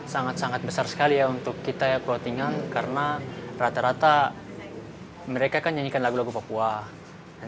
sangat sangat besar sekali ya untuk kita clottingan karena rata rata mereka kan nyanyikan lagu lagu papua